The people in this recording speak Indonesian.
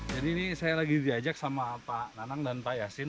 jadi ini saya lagi diajak sama pak nanang dan pak yasin